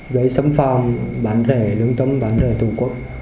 gây xâm phạm bán rẻ lương tâm bán rẻ tù quốc